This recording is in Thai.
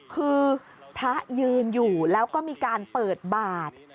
คือพระยืนอยู่แล้วก็มีการเปิดบาท